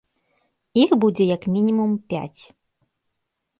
Іх будзе як мінімум пяць.